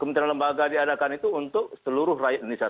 kementerian lembaga diadakan itu untuk seluruh rakyat indonesia